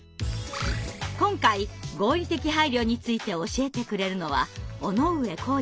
今回合理的配慮について教えてくれるのは尾上浩二さん。